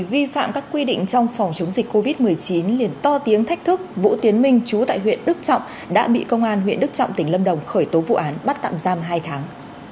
vi phạm các quy định trong phòng chống dịch covid một mươi chín liền to tiếng thách thức vũ tiến minh chú tại huyện đức trọng đã bị công an huyện đức trọng tỉnh lâm đồng khởi tố vụ án bắt tạm giam hai tháng